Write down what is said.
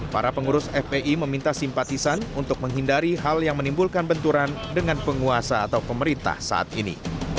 para pengurus fpi meminta simpatisan untuk menghindari hal yang menimbulkan benturan dengan penguasa atau pemerintah saat ini